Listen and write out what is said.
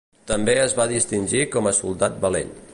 També es va distingir com a soldat valent.